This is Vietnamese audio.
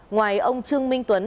ngoài ông trương minh tuấn